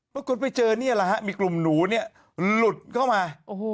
ปรากฏไปเจอนี่แหละฮะมีกลุ่มหนูเนี่ยหลุดเข้ามา